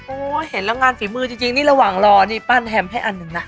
โอ้โหเห็นแล้วงานฝีมือจริงนี่ระหว่างรอนี่ปั้นแฮมให้อันหนึ่งนะ